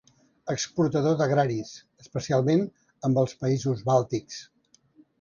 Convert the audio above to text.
Exportador d'agraris, especialment amb els països bàltics.